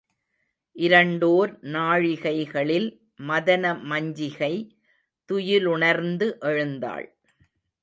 இரண்டோர் நாழிகைகளில் மதன மஞ்சிகை துயிலுணர்ந்து எழுந்தாள்.